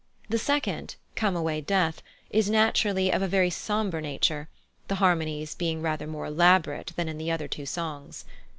The second, "Come away, Death," is naturally of a very sombre nature, the harmonies being rather more elaborate than in the other two songs.